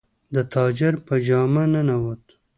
د تاجر په جامه ننووت.